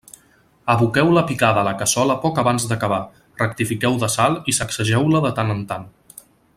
Aboqueu la picada a la cassola poc abans d'acabar, rectifiqueu de sal i sacsegeu-la de tant en tant.